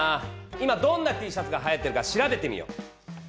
今どんなＴシャツがはやってるか調べてみよう！